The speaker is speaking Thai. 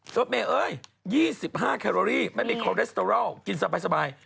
รถเมย์เอ้ย๒๕แครอรี่ไม่มีคอลเลสเตอรอลกินสบาย